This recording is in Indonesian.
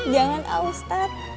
jangan ah ustaz